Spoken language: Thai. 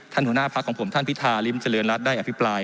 หัวหน้าพักของผมท่านพิธาริมเจริญรัฐได้อภิปราย